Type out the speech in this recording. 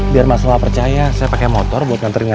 biar mas lala percaya saya pakai motor buat nganterin dia